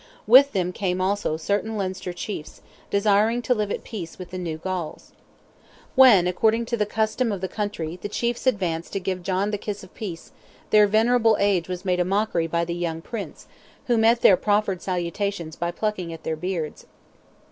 With them came also certain Leinster chiefs, desiring to live at peace with the new Galls. When, according to the custom of the country, the chiefs advanced to give John the kiss of peace, their venerable age was made a mockery by the young Prince, who met their proffered salutations by plucking at their beards.